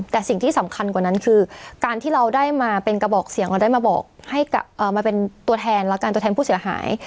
แต่สิ่งที่สำคัญกว่านั้นคือการที่เราได้มาเป็นกระบอกเสียงเราได้มาบอกให้มาเป็นตัวแทนแล้วกันตัวแทนผู้เสียหาย